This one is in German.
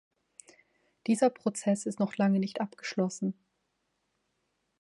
Dieser Prozess ist noch lange nicht abgeschlossen.